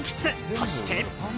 そして。